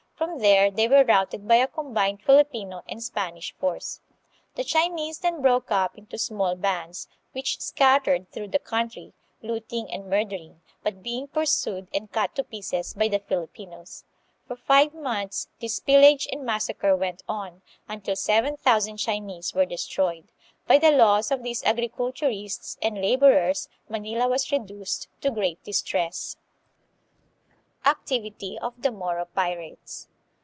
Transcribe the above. From there they were routed by a combined Filipino and Spanish force. The Chinese then broke up into small bands, which scattered through the country, looting and murdering, but being pursued and cut to pieces by the Filipinos. For Qye months this pillage and massacre went on, until seven thousand Chinese were destroyed. By the loss of these agriculturists and laborers Manila was reduced to great distress. Activity of the Moro Pirates.